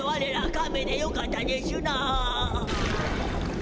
カメでよかったでしゅな。